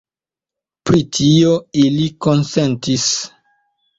Pri tio ili konsentis.